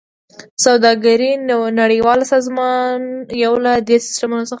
د سوداګرۍ نړیوال سازمان یو له دې سیستمونو څخه دی